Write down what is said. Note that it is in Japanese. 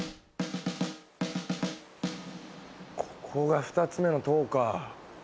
ここが２つ目の塔か。